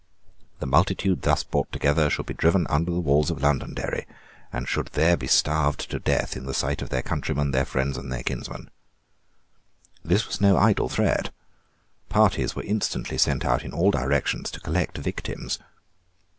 The multitude thus brought together should be driven under the walls of Londonderry, and should there be starved to death in the sight of their countrymen, their friends, their kinsmen. This was no idle threat. Parties were instantly sent out in all directions to collect victims.